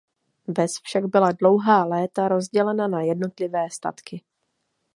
Ves však byla dlouhá léta rozdělena na jednotlivé statky.